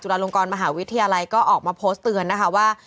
จุฬโลงกรมหาวิชเทียไรออกมาโพสต์เตือนนะคะว่า